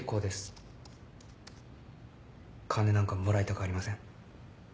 金なんかもらいたくありません。